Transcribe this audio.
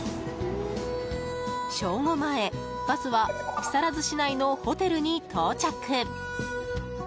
正午前、バスは木更津市内のホテルに到着。